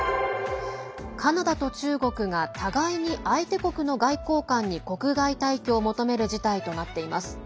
カナダと中国が互いに相手国の外交官に国外退去を求める事態となっています。